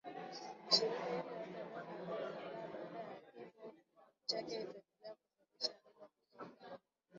ishirini hivyo hata leo miongo kadhaa baada ya kifo chake itaendelea kuzalisha riba kutoka